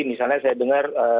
misalnya saya dengar